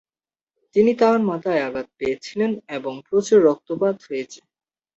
তিনি তার মাথায় আঘাত পেয়েছিলেন এবং প্রচুর রক্তপাত হয়েছে।